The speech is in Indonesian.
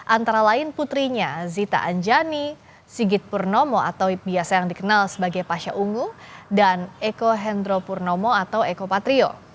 antara lain putrinya zita anjani sigit purnomo atau biasa yang dikenal sebagai pasha ungu dan eko hendro purnomo atau eko patrio